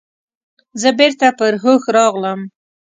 زه بیرته پر هوښ راغلم.